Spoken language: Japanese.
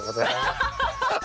アハハハハ！